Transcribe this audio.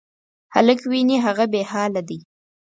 هلک وینې، هغه بېحاله دی.